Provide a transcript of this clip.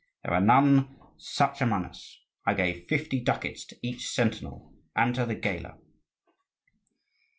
There are none such among us: I gave fifty ducats to each sentinel and to the gaoler."